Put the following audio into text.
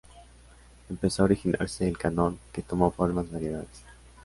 Empezó a originarse el canon, que tomó formas variadas.